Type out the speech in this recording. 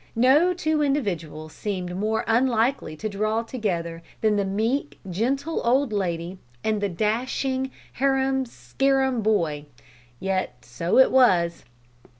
No two individuals seemed more unlikely to draw together than the meek, gentle old lady and the dashing, harum scarum boy. Yet so it was.